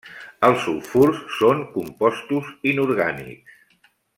Els sulfurs són compostos inorgànics.